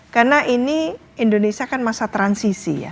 karena ini indonesia kan masa transisi ya